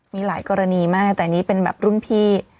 มีหลายกรณีมากแต่อันนี้เป็นแบบรุ่นพี่